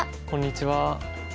こんにちは。